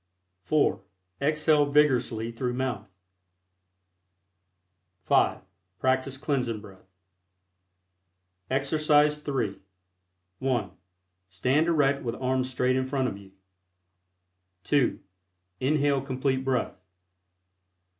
(4) Exhale vigorously through mouth. (5) Practice Cleansing Breath. EXERCISE III. (1) Stand erect with arms straight In front of you, (2) Inhale Complete Breath.